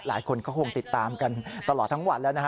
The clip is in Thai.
หลายคนก็คงติดตามกันตลอดทั้งวันแล้วนะฮะ